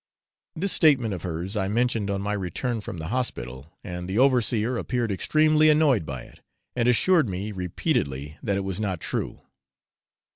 This statement of hers I mentioned on my return from the hospital, and the overseer appeared extremely annoyed by it, and assured me repeatedly that it was not true.